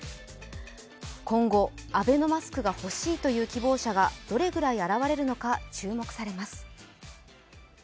今後、アベノマスクが欲しいという希望者がどれくらい現れるのか注目されます。